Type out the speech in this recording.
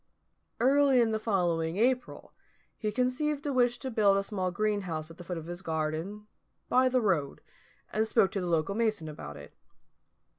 Early in the following April he conceived a wish to build a small greenhouse at the foot of his garden, by the road, and spoke to the local mason about it.